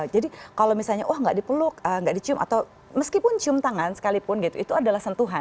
jadi kalau misalnya wah nggak dipeluk nggak dicium atau meskipun cium tangan sekalipun gitu itu adalah sentuhan kan